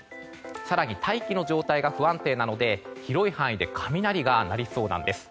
更に大気の状態が不安定なので広い範囲で雷が鳴りそうなんです。